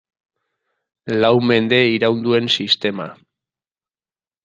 Lau mende iraun duen sistema.